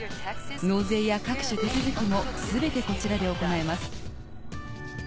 納税や各種手続きも全てこちらで行えます。